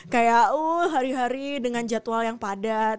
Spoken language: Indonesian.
kayak oh hari hari dengan jadwal yang padat